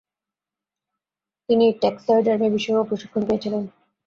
তিনি ট্যাক্সাইডারমি বিষয়েও প্রশিক্ষণ পেয়েছিলেন।